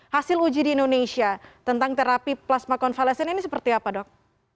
hasil uji di indonesia tentang terapi plasma konvalesen ini seperti apa dok